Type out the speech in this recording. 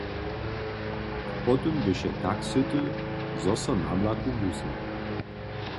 A po tym běše tak syty, zo so na blaku wusny.